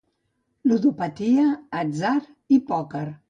Ludopatia, atzar i pòquer.